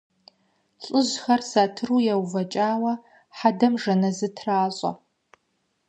Лӏыжьхэр сатыру еувэкӏауэ хьэдэм жэназы тращӏэ.